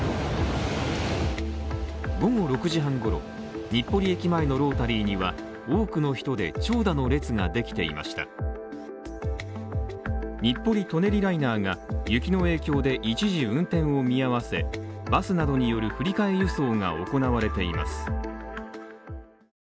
午後６時半ごろ、日暮里駅前のロータリーには、多くの人で長蛇の列ができていました日暮里・舎人ライナーが雪の影響で一時運転を見合わせ、バスなどによる振替輸送が行われています。